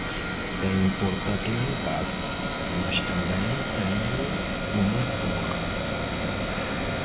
Tenho um portátil em casa mas também tenho uma torre.